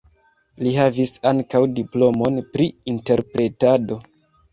Li havis ankaŭ diplomon pri interpretado.